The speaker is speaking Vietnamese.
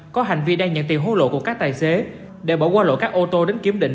có hành vi đang nhận tiền hối lộ của các tài xế để bỏ qua lỗi các ô tô đến kiểm định